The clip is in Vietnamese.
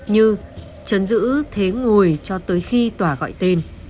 như chấn giữ thế ngồi cho tới khi tòa gọi tên